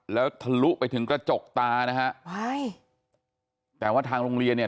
แล้วทะลุไปถึงกระจกตานะฮะว้ายแต่ว่าทางโรงเรียนเนี่ย